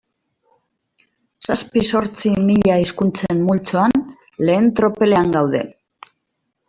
Zazpi-zortzi mila hizkuntzen multzoan lehen tropelean gaude.